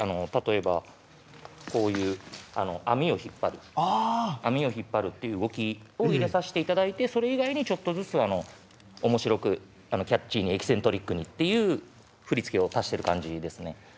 例えばこういうあみを引っぱるあみを引っぱるっていう動きを入れさしていただいてそれ以外にちょっとずつおもしろくキャッチーにエキセントリックにっていう振付を足してる感じですね。